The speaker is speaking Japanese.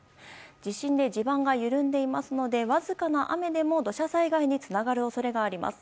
地震で地盤が緩んでいますのでわずかな雨でも土砂災害につながる恐れがあります。